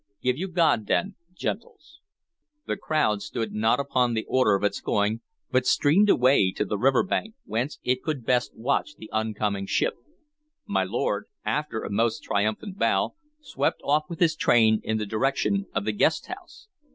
Give you God den, gentles." The crowd stood not upon the order of its going, but streamed away to the river bank, whence it could best watch the oncoming ship. My lord, after a most triumphant bow, swept off with his train in the direction of the guest house.